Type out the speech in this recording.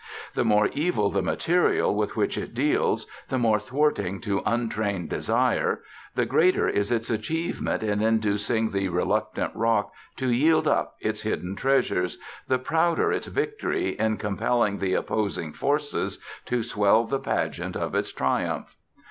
The more evil the material with which it deals, the more thwarting to untrained desire, the greater is its achievement in inducing the reluctant rock to yield up its hidden treasures, the prouder its victory in compelling the opposing forces to swell the pageant of its triumph.